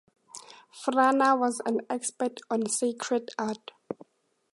Frana was an expert on sacred art.